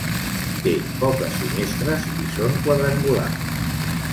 Té poques finestres i són quadrangulars.